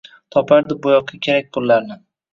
Topardi bo’yoqqa kerak pullarni.